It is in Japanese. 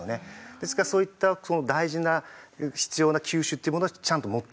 ですからそういった大事な必要な球種っていうものはちゃんと持っておいて。